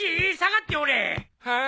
はあ？